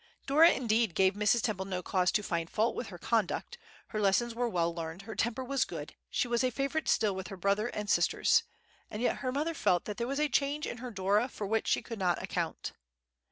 Dora, indeed, gave Mrs. Temple no cause to find fault with her conduct; her lessons were well learned, her temper was good, she was a favorite still with her brother and sisters; and yet her mother felt that there was a change in her Dora for which she could not account.